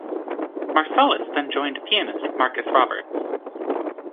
Marsalis then joined pianist Marcus Roberts.